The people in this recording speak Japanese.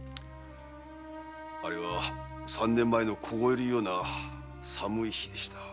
あれは三年前の凍えるような寒い日でした。